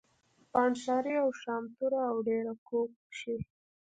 بانډ شاري او شامتوره او ډېره کو کښي